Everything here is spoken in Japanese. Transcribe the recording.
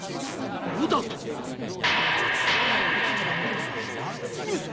「余」だと⁉上様！